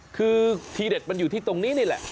คือทีเด็ดมันอยู่ที่ตรงนี้นี่แหละ